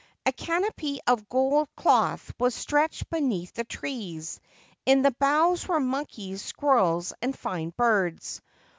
A canopy of gold cloth was stretched beneath the trees. In the boughs were monkeys, squirrels, and fine birds.